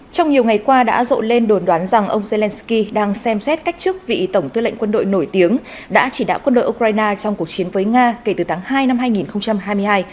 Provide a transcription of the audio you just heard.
trong nhiều ngày qua đã rộn lên đồn đoán rằng ông zelensky đang xem xét cách chức vị tổng tư lệnh quân đội nổi tiếng đã chỉ đạo quân đội ukraine trong cuộc chiến với nga kể từ tháng hai năm hai nghìn hai mươi hai